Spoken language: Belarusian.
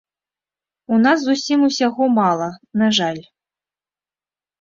У нас зусім усяго мала, на жаль.